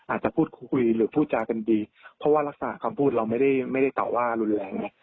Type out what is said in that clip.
อาจจะพูดคุยหรือพูดจากันดีเพราะว่ารักษณะคำพูดเราไม่ได้ไม่ได้ตอบว่ารุนแรงไง